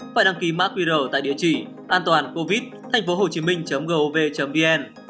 phải đăng ký mạc qr tại địa chỉ antoancovid thanhphohochiminh gov vn